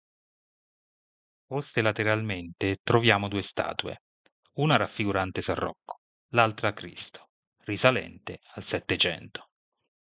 Poste lateralmente troviamo due statue, una raffigurante San Rocco, l'altra Cristo, risalente al Settecento.